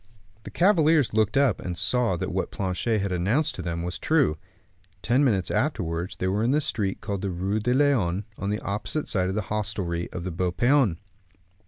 The cavaliers looked up, and saw that what Planchet had announced to them was true. Ten minutes afterwards they were in the street called the Rue de Lyon, on the opposite side of the hostelry of the Beau Paon.